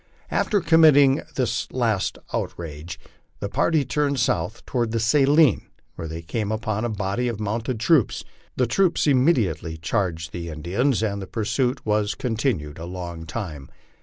After committing this las/ outrage the party turned south toward the Saline, where they came upon a body of mounted troops; the troops immediately charged the Indiana, and the pursuit was continued a long time.